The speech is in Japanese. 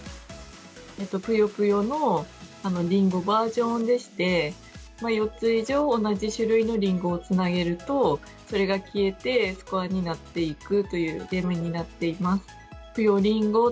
ぷよぷよのりんごバージョンでして、４つ以上同じ種類のりんごをつなげると、それが消えてスコアになっていくというゲームになっています。